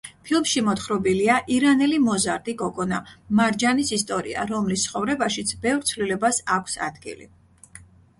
ფილმში მოთხრობილია ირანელი მოზარდი გოგონა მარჯანის ისტორია, რომლის ცხოვრებაშიც ბევრ ცვლილებას აქვს ადგილი.